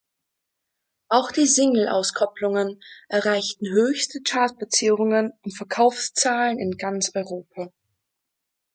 Auch die Singleauskoppelungen erreichten höchste Chartplatzierungen und Verkaufszahlen in ganz Europa.